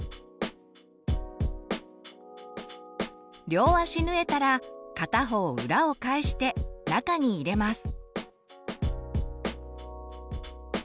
両足縫えたら片方裏を返して中に入れます。